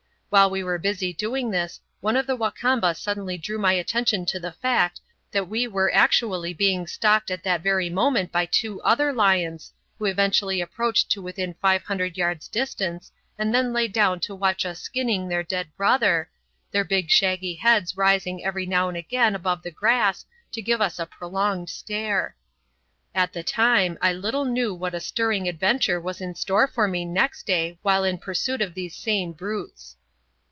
While we were busy doing this, one of the Wa Kamba suddenly drew my attention to the fact that we were actually being stalked at that very moment by two other lions, who eventually approached to within five hundred yards' distance and then lay down to watch us skinning their dead brother, their big shaggy heads rising every now and again above the grass to give us a prolonged stare. At the time I little knew what a stirring adventure was in store for me next day while in pursuit of these same brutes.